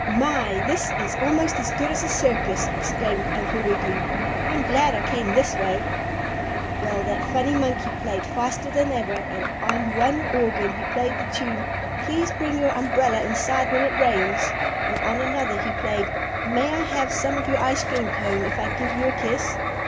"My! This is almost as good as a circus!" exclaimed Uncle Wiggily. "I'm glad I came this way." Well, that funny monkey played faster than ever, and on one organ he played the tune "Please Bring Your Umbrella Inside When it Rains," and on another he played "May I Have Some of Your Ice Cream Cone if I Give You a Kiss?"